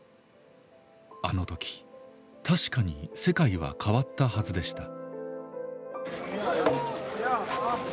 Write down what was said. あの時確かに世界は変わったはずでした。